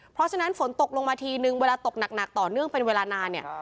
เพราะฉะนั้นฝนตกลงมาทีนึงเวลาตกหนักต่อเนื่องเป็นเวลานานเนี่ย